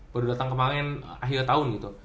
baru dateng kemaren akhir tahun gitu